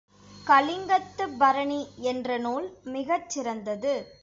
கலிங்கத்துப் பரணி என்ற நூல் மிகச் சிறந்தது.